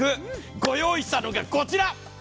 ご用意したのがこちら！